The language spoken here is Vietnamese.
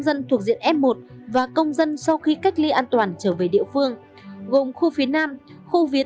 dân thuộc diện f một và công dân sau khi cách ly an toàn trở về địa phương gồm khu phía nam khu viến